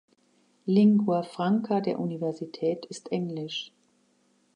Lingua franca der Universität ist Englisch.